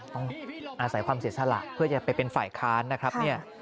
ต้องอาศัยความเสียสละเพื่อจะไปเป็นฝ่ายค้านนะครับ